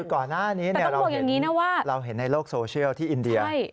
แต่ต้องบอกอย่างนี้นะว่าเราเห็นในโลกโซเชียลที่อินเดีย